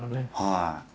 はい。